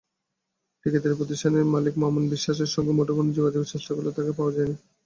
ঠিকাদারি প্রতিষ্ঠানের মালিক মামুন বিশ্বাসের সঙ্গে মুঠোফোনে যোগাযোগের চেষ্টা করলে তাঁকে পাওয়া যায়নি।